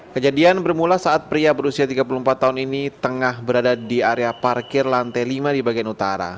kejadian bermula saat pria berusia tiga puluh empat tahun ini tengah berada di area parkir lantai lima di bagian utara